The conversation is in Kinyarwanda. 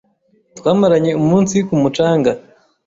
Twamaranye umunsi ku mucanga.